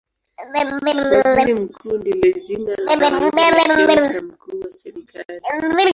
Waziri Mkuu ndilo jina la kawaida la cheo cha mkuu wa serikali.